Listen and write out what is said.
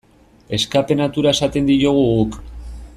Escape-natura esaten diogu guk.